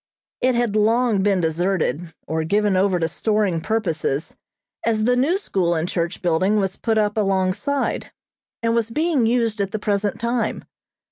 It had long been deserted, or given over to storing purposes, as the new school and church building was put up alongside, and was being used at the present time.